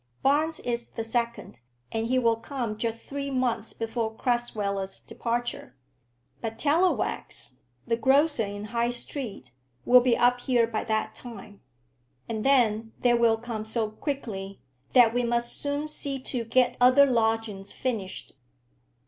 "Barnes is the second, and he will come just three months before Crasweller's departure. But Tallowax, the grocer in High Street, will be up here by that time. And then they will come so quickly, that we must soon see to get other lodgings finished.